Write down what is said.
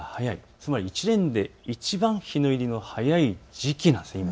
つまり１年でいちばん日の入りの早い時期なんです。